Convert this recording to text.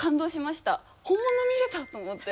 本物見れた！と思って。